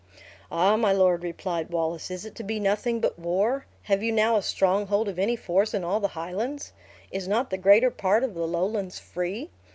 "Ah, my lord," replied Wallace, "is it to be nothing but war? Have you now a stronghold of any force in all the Highlands? Is not the greater part of the Lowlands free?